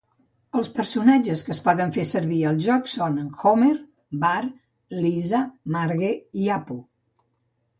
Els personatges que es poden fer servir al joc són Homer, Bart, Lisa, Marge i Apu.